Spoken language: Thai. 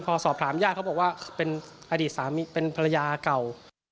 พอสอบถามญาติเขาบอกว่าเป็นอดีตสามีเป็นภรรยาเก่า